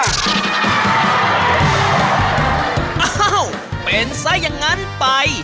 อ้าวเป็นซะอย่างนั้นไป